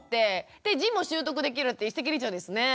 で字も習得できるって一石二鳥ですね。